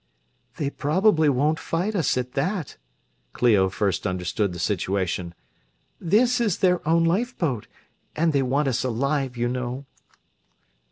"They probably won't fight us, at that," Clio first understood the situation. "This is their own lifeboat, and they want us alive, you know."